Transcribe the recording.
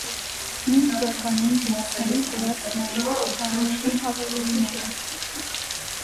Նոյն թուականին վերցնել տուած նաեւ գլխահարկի յաւելումները։